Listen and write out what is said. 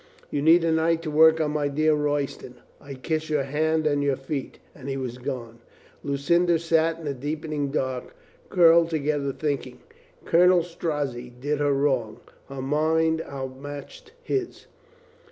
You'll need a night to work on my dear Royston. I kiss your hands and your feet." And he was gone. Lucinda sat in the deepening dark, curled to gether, thinking. Colonel Strozzi did her wrong. Her mind outmatched his.